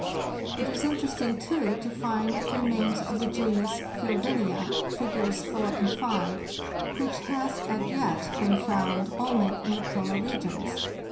It is interest ing, too, to find remains of the genus Fecldenza (Figs. 4 and 5), which has as yet been found only in the polar regions.